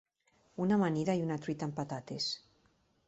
Una amanida i una truita amb patates.